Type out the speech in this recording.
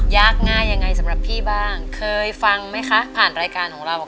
ยากง่ายยังไงสำหรับพี่บ้างเคยฟังไหมคะผ่านรายการของเรา